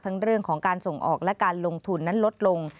เรื่องของการส่งออกและการลงทุนนั้นลดลง